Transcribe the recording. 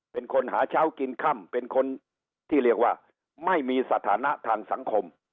เป็นคนหาเช้ากินค่ำเป็นคนที่เรียกว่าไม่มีสถานะทางสังคม